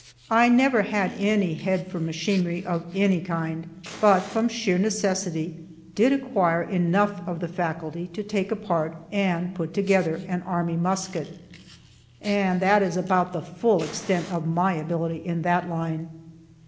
I never had any head for machinery, of any kind, but, from sheer necessity, did acquire enough of the faculty to take apart, and put together, an army musket, and that is about the full extent of my ability in that line.